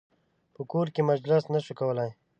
په کور کې مجلس نه شو کولای.